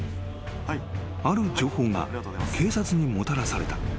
［ある情報が警察にもたらされた］